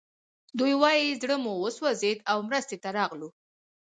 دوی وايي زړه مو وسوځېد او مرستې ته راغلو